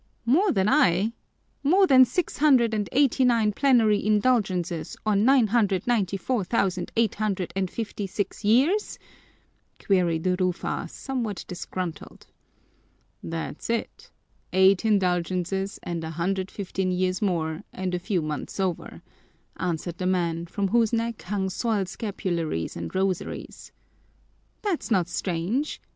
"More than I? More than six hundred and eighty nine plenary indulgences or nine hundred ninety four thousand eight hundred and fifty six years?" queried Rufa, somewhat disgruntled. "That's it, eight indulgences and a hundred fifteen years more and a few months over," answered the man, from whose neck hung soiled scapularies and rosaries. "That's not strange!"